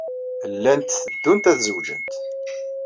Llant teddunt ad zewǧent.